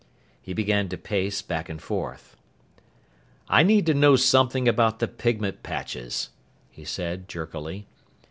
He began to pace back and forth. "I need to know something about the pigment patches," he said jerkily.